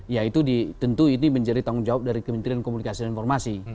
ya itu tentu ini menjadi tanggung jawab dari kementerian komunikasi dan informasi